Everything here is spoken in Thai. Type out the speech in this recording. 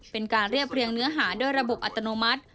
เป็นการเรียบเรียงเนื้อหาด้วยระบบอัตโนมัติ